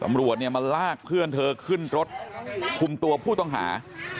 ตำรวจเนี่ยมาลากเพื่อนเธอขึ้นรถคุมตัวผู้ต้องหา